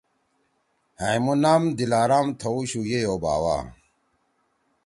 ہائمُو نام دل آرام تھؤشُو یِئی او باوا